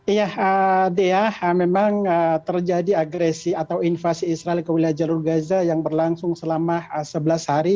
iya dea memang terjadi agresi atau invasi israel ke wilayah jalur gaza yang berlangsung selama sebelas hari